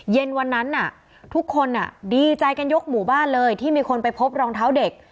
เย็นวันนั้นทุกคนดีใจกันยกหมู่บ้านเลยที่มีคนไปพบรองเท้าเด็ก